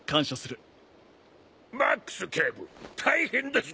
マックス警部大変です。